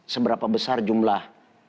seberapa besar jumlah